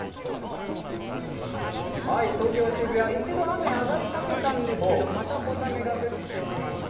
東京・渋谷、一度雨上がりかけたんですけど、また小雨が降ってきました。